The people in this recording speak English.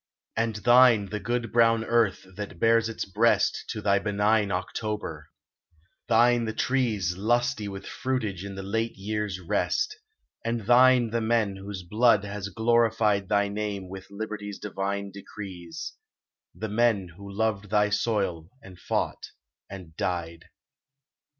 And thine the good brown earth that bares its breast To thy benign October, thine the trees Lusty with fruitage in the late year's rest ; And thine the men whose blood has glorified Thy name with Liberty's divine decrees The men who loved thy soil and fought and died.